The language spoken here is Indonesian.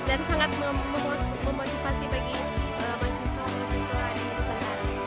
dan sangat memotivasi bagi mahasiswa mahasiswa di perusahaan